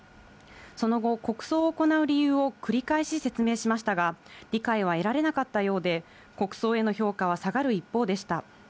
その後、国葬を行う理由を繰り返し説明しましたが、理解は得られなかったようで、国葬への評価は下がる一方でした。